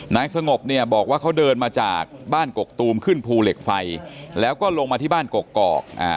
นายสงบเนี่ยบอกว่าเขาเดินมาจากบ้านกกตูมขึ้นภูเหล็กไฟแล้วก็ลงมาที่บ้านกกอก